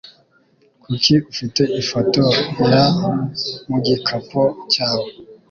Kuki ufite ifoto ya mu gikapo cyawe?